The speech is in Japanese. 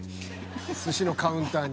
すしのカウンターに。